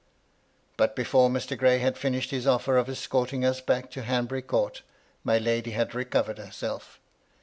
But before Mr. Gray had finished his offer of escorting us back to Hanbury Court, my lady had recovered herself.